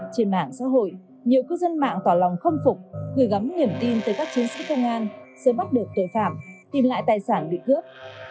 trên mạng xã hội nhiều cư dân mạng tỏ lòng khâm phục gửi gắm niềm tin tới các chiến sĩ công an sớm bắt được tội phạm tìm lại tài sản bị cướp